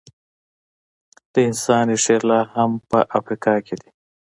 د انسان ریښې لا هم په افریقا کې دي.